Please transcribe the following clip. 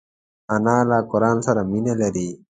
انا له قران سره مینه لري